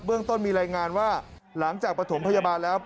เรื่องต้นมีรายงานว่าหลังจากประถมพยาบาลแล้ว